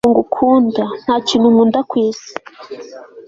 ntabwo ngukunda, nta kintu nkunda ku isi